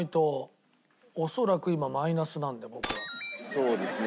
そうですね。